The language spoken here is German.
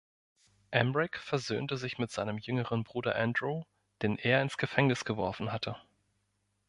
Emeric versöhnte sich mit seinem jüngeren Bruder Andrew, den er ins Gefängnis geworfen hatte.